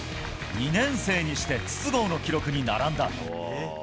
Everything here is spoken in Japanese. ２年生にして筒香の記録に並んだ。